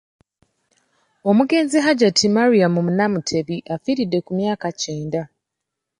Omugenzi Hajjat Mariam Namutebi afiiridde ku myaka kyenda.